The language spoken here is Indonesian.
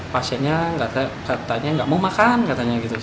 pasiennya katanya nggak mau makan katanya gitu